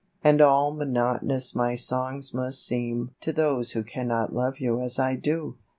And all monotonous my songs must seem To those who cannot love you as I do.